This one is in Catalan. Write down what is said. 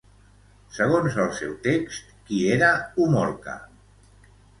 Segons el seu text, qui era Omorka?